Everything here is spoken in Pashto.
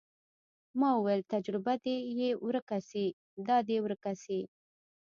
ما وويل تجربه دې يې ورکه سي دا دې ورکه سي.